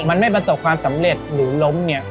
มันไม่ประสบความสำเร็จหรือล้มเนี่ย